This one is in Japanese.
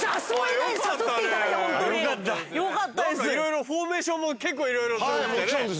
何かいろいろフォーメーションも結構いろいろ動いてね。